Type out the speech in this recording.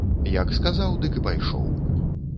Як сказаў, дык і пайшоў.